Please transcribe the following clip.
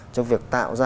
trong việc tạo ra